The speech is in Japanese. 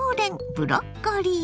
ブロッコリー。